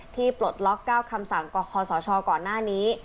ที่ปลดล็อคก้าวคำสั่งกขอสชก่อนหน้านี้